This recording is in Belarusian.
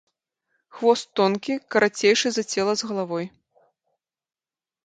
Хвост тонкі, карацейшы за цела з галавой.